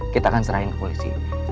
kita akan serahin ke polisi